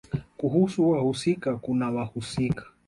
Kuhusu wahusika kuna wahusika